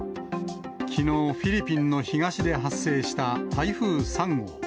きのう、フィリピンの東で発生した台風３号。